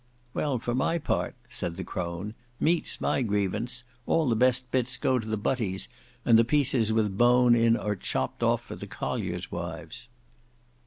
"Well, for my part," said the crone, "meat's my grievance: all the best bits go to the butties, and the pieces with bone in are chopped off for the colliers' wives."